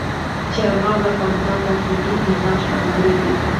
چار مغز د افغانستان د اقلیمي نظام ښکارندوی ده.